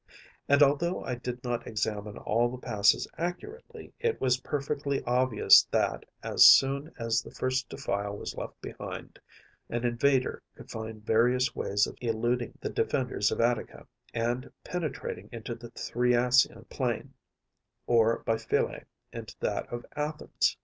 And although I did not examine all the passes accurately, it was perfectly obvious that, as soon as the first defile was left behind, an invader could find various ways of eluding the defenders of Attica, and penetrating into the Thriasian plain, or, by Phyle, into that of Athens.